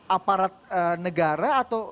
aparat negara atau